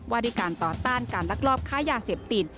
ว่าด้วยการต่อต้านการลักลอบค้ายาเสพติด